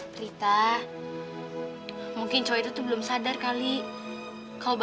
kayaknya aku sama sekali nggak berarti untuk dia